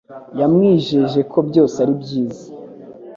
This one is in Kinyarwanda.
Yamwijeje ko byose ari byiza.